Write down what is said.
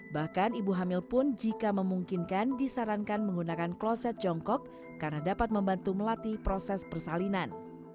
bahkan ibu hamil pun jika memungkinkan disarankan menggunakan kloset jongkok karena dapat membantu melatih proses persalinan